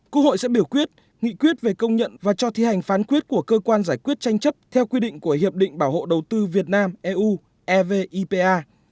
quốc hội sẽ biểu quyết nghị quyết về công nhận và cho thi hành phán quyết của cơ quan giải quyết tranh chấp theo quy định của hiệp định bảo hộ đầu tư việt nam eu evipa